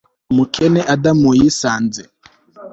Umukene Adamu yisanze